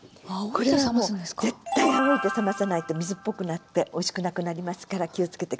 これはもう絶対あおいで冷まさないと水っぽくなっておいしくなくなりますから気を付けて下さい。